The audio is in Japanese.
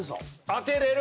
当てれる？